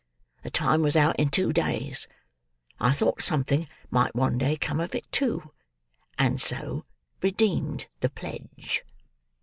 The time was out in two days; I thought something might one day come of it too; and so redeemed the pledge."